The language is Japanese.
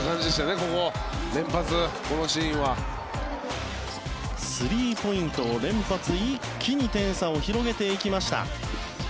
ここの連発スリーポイントを連発一気に点差を広げていきました。